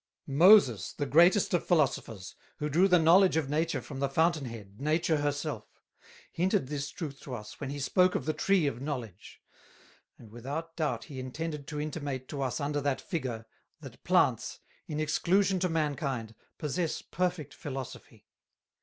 "Moses, the greatest of Philosophers, who drew the Knowledge of Nature from the Fountain Head, Nature her self, hinted this truth to us when he spoke of the Tree of Knowledge; and without doubt he intended to intimate to us under that Figure, that Plants, in Exclusion to Mankind, possess perfect Philosophy.